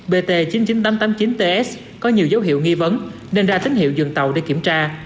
bt chín mươi chín nghìn tám trăm tám mươi chín ts có nhiều dấu hiệu nghi vấn nên ra tín hiệu dừng tàu để kiểm tra